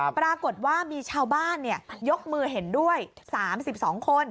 ปรากฏว่ามีชาวบ้านยกมือเห็นด้วย๓๒คน